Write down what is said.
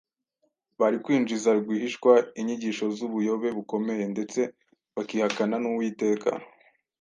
bari kwinjiza rwihishwa «inyigisho z’ubuyobe bukomeye, ndetse bakihakana n’ Uwiteka.